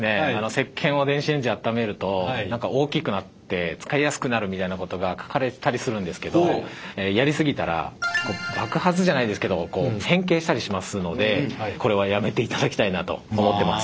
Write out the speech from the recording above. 石けんを電子レンジで温めると大きくなって使いやすくなるみたいなことが書かれてたりするんですけどもやり過ぎたら爆発じゃないですけど変形したりしますのでこれはやめていただきたいなと思ってます。